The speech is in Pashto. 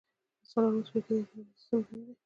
د څلورم څپرکي د اطراحي سیستم مهم دی.